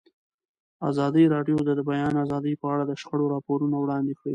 ازادي راډیو د د بیان آزادي په اړه د شخړو راپورونه وړاندې کړي.